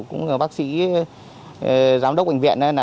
cũng là bác sĩ giám đốc bệnh viện